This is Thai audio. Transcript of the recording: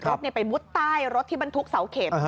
รถไปมุดใต้รถที่บรรทุกเสาเข็ม